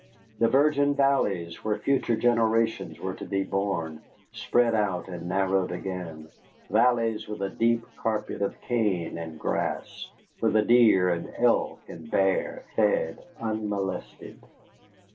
And virgin valleys, where future generations were to be born, spread out and narrowed again, valleys with a deep carpet of cane and grass, where the deer and elk and bear fed unmolested.